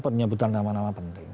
penyebutan nama nama penting